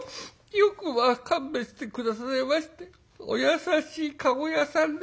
「よくまあ勘弁して下さいましてお優しい駕籠屋さんで。